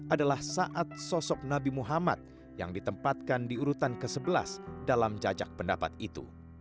adalah saat sosok nabi muhammad yang ditempatkan di urutan ke sebelas dalam jajak pendapat itu